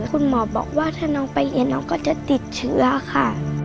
คุณหมอบอกว่าถ้าน้องไปเรียนน้องก็จะติดเชื้อค่ะ